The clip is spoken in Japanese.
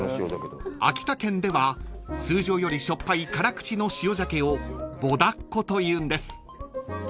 ［秋田県では通常よりしょっぱい辛口の塩ジャケをぼだっこというんです］